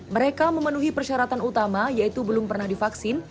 mereka memenuhi persyaratan utama yaitu belum pernah divaksin